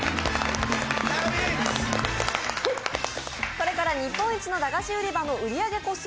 これから日本一のだがし売場の売り上げ個数